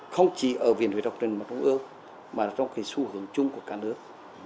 không chỉ ở viện huyết học truyền huyết học trung ương mà trong cái xu hướng chung của cả nước